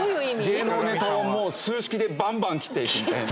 芸能ネタをもう数式でバンバン斬って行くみたいな。